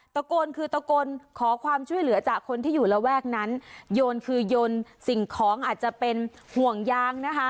ตะโกนคือตะโกนขอความช่วยเหลือจากคนที่อยู่ระแวกนั้นโยนคือโยนสิ่งของอาจจะเป็นห่วงยางนะคะ